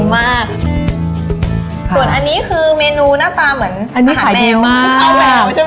ส่วนอันนี้คือเมนูหน้าตาเหมือนอาหารแมว